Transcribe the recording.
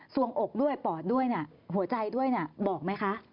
วงอกด้วยปอดด้วยหัวใจด้วยบอกไหมคะ